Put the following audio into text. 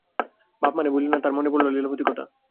বাপ মানে বুঝলেন না, তাঁর মনে পড়ল লীলাবতীর কথা।